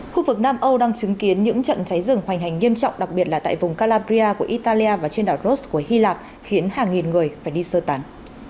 khu vực nam âu đang chứng kiến những trận cháy rừng hoành hành nghiêm trọng đặc biệt là tại vùng calabria của italia và trên đảo ross của hy lạp khiến hàng nghìn người phải đi sơ tán